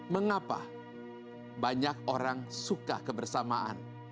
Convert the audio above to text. mengapa banyak orang suka kebersamaan